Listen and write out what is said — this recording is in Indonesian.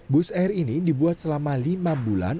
bus air ini dibuat selama lima bulan